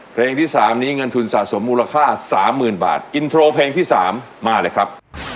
เพลงที่สามนี้เงินทุนสะสมมูลค่าสามหมื่นบาทอินโทรเพลงที่สามมาเลยครับ